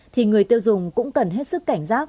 thì người tiêu dùng cũng cần hết sức cảnh giác